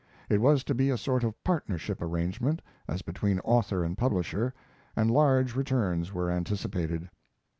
It was to be a sort of partnership arrangement as between author and publisher, and large returns were anticipated.